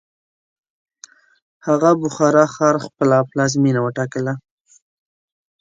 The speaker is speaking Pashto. هغه بخارا ښار خپله پلازمینه وټاکله.